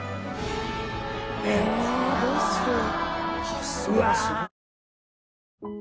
えーどうしよう？